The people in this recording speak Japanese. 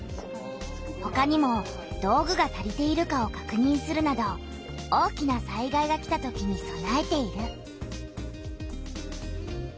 ほかにも道具が足りているかをかくにんするなど大きな災害が来たときにそなえている。